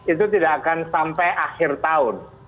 itu tidak akan sampai akhir tahun